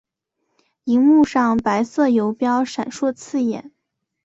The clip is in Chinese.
萤幕上白色游标闪烁刺眼